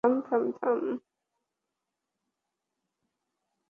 থাম, থাম, থাম!